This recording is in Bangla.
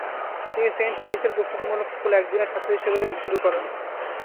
তিনি সেন্ট ফেইথের প্রস্তুতিমূলক স্কুলে একদিনের ছাত্র হিসেবে শুরু করেন।